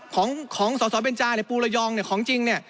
ของสสเบญจาในปูลยอง